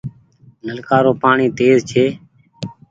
نلڪآ رو پآڻيٚ تيز ڇي ۔